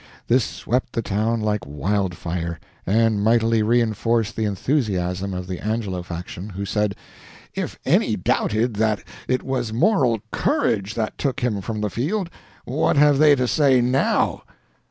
This swept the town like wildfire, and mightily reinforced the enthusiasm of the Angelo faction, who said, "If any doubted that it was moral courage that took him from the field, what have they to say now!"